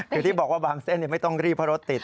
คือที่บอกว่าบางเส้นไม่ต้องรีบเพราะรถติด